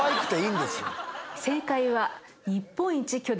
正解は。